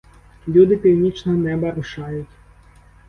Люди північного неба рушають.